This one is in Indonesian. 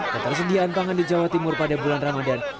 ketersediaan pangan di jawa timur pada bulan ramadan